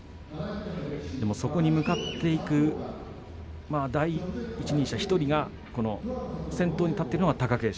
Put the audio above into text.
そこに向かっていく第一人者１人が先頭に立っているのが貴景勝。